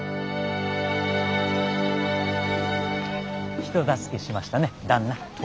人助けしましたね旦那。